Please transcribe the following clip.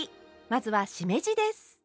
まずはしめじです。